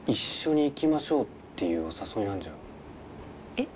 えっ？